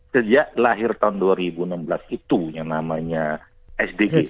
sejak lahir tahun dua ribu enam belas itu yang namanya sdgs